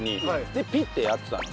でピッてやってたの。